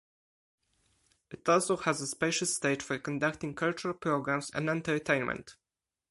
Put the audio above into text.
It also has a spacious stage for conducting cultural programmes and entertainment.